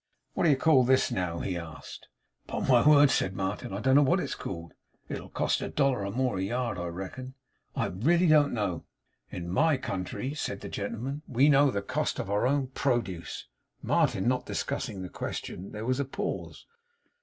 'What do you call this now?' he asked. 'Upon my word' said Martin, 'I don't know what it's called.' 'It'll cost a dollar or more a yard, I reckon?' 'I really don't know.' 'In my country,' said the gentleman, 'we know the cost of our own pro duce.' Martin not discussing the question, there was a pause.